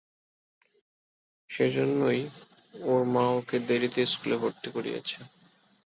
সেজন্যই, ওর মা ওকে দেরিতে স্কুলে ভর্তি করিয়েছে।